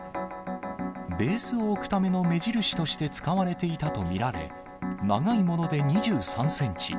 ベースを置くための目印として使われていたと見られ、長いもので２３センチ。